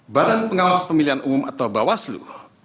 badan pengawas pemilihan umum atau bawaslu